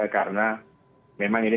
karena memang ini